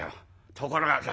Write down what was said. ところがさ